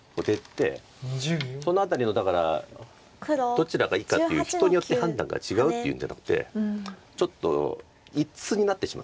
その辺りのだからどちらがいいかっていう人によって判断が違うっていうんじゃなくてちょっと一通になってしまったんです